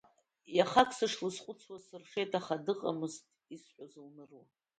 Иахак сышлызхәыцуаз сыршеит, аха дыҟамызт исҳәоз лныруа…